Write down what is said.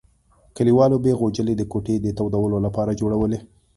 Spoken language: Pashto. کلیوالو به غوجلې د کوټې د تودولو لپاره جوړولې.